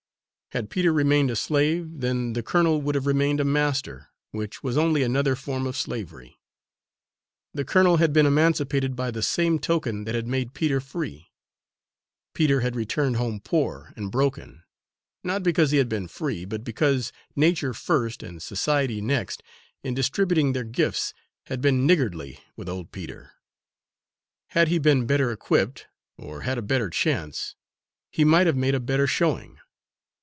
Had Peter remained a slave, then the colonel would have remained a master, which was only another form of slavery. The colonel had been emancipated by the same token that had made Peter free. Peter had returned home poor and broken, not because he had been free, but because nature first, and society next, in distributing their gifts, had been niggardly with old Peter. Had he been better equipped, or had a better chance, he might have made a better showing.